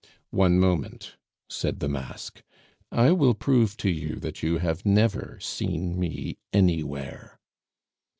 "One moment," said the mask; "I will prove to you that you have never seen me anywhere."